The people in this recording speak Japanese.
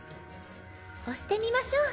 押してみましょう。